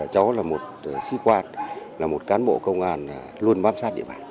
chó là một sĩ quan là một cán bộ công an luôn bám sát địa bài